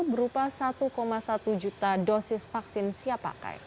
berupa satu satu juta dosis vaksin siap pakai